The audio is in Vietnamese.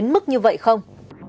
mức như vậy không